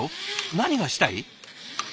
何がしたい？